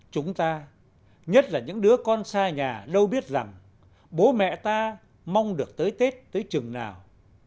chúng ta nhất là những đứa con xa nhà đâu biết rằng bố mẹ ta mong được tới tết tới chừng nào